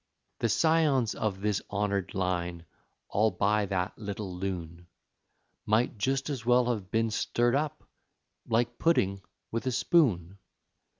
The scions of this honored line, all by that little loon, Might just as well have been stirred up, like pudding, with a spoon.